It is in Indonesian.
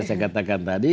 saya katakan tadi